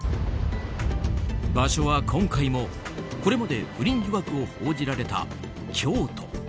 場所は今回も、これまで不倫疑惑を報じられた京都。